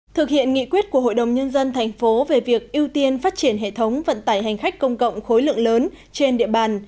thực hiện nghị quyết của hội đồng nhân dân thành phố về việc ưu tiên phát triển hệ thống vận tải hành khách công cộng khối lượng lớn trên địa bàn